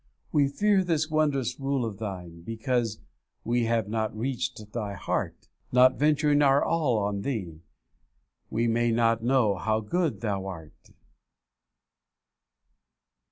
'We fear this wondrous rule of Thine, Because we have not reached Thy heart; Not venturing our all on Thee, We may not know how good Thou art.'